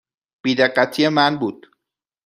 بی دقتی من بود.